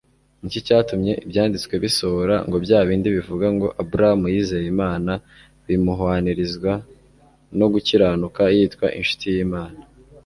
nicyo cyatumye ibyanditswe bisohora ngo byabindi bivuga ngo aburahamu yizeye imana bimuhwanirizwa no gukiranuka yitwa inshuti y'imana